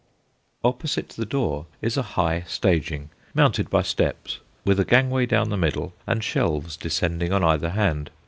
Opposite the door is a high staging, mounted by steps, with a gangway down the middle and shelves descending on either hand.